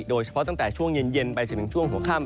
โดยเฉพาะตั้งแต่ช่วงเย็นไปจนถึงช่วงหัวค่ำ